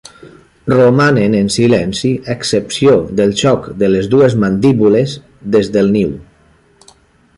Romanen en silenci a excepció del xoc de les dues mandíbules des del niu.